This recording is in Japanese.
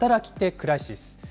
クライシス。